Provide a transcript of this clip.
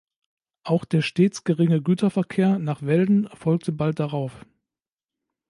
Auch der stets geringe Güterverkehr nach Welden folgte bald darauf.